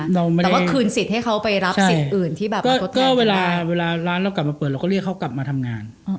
แต่ว่าคืนสิทธิ์ให้เขาไปรับสิทธิ์อื่นที่แบบปกติก็เวลาร้านเรากลับมาเปิดเราก็เรียกเขากลับมาทำงาน